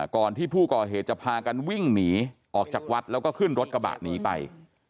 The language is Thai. ก่อนที่ผู้ก่อเหตุจะพากันวิ่งหนีออกจากวัดแล้วก็ขึ้นรถกระบะหนีไป